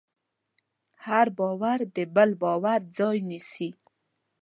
هر باور د بل باور ځای نيسي.